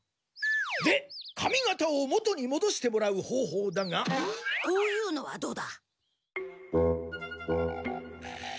で髪型を元にもどしてもらうほうほうだが。こういうのはどうだ？